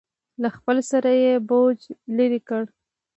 له خپل سره یې بوج لرې کړ.